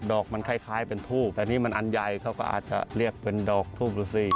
อกมันคล้ายเป็นทูบแต่นี่มันอันใหญ่เขาก็อาจจะเรียกเป็นดอกทูบดูสิ